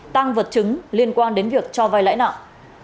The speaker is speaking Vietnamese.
tăng vật chứng liên quan đến việc cho vai lãi nặng